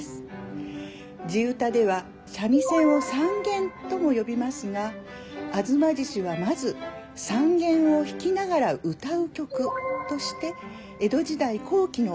地唄では三味線を三絃とも呼びますが「吾妻獅子」はまず三絃を弾きながら歌う曲として江戸時代後期の大阪で作曲されました。